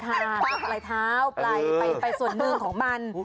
ค่ะปลายเท้าปลายส่วนหนึ่งของมัน